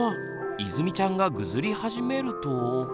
いずみちゃんがぐずり始めると。